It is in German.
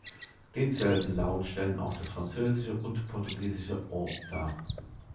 Denselben Laut stellen auch das französische und portugiesische Ô dar.